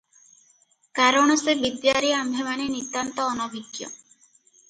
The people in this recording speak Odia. କାରଣ ସେ ବିଦ୍ୟାରେ ଆମ୍ଭେମାନେ ନିତାନ୍ତ ଅନଭିଜ୍ଞ